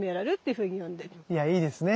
いやいいですね。